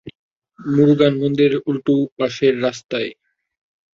মুরুগান মন্দিরের উল্টো পাশের রাস্তায়।